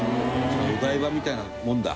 じゃあお台場みたいなもんだ。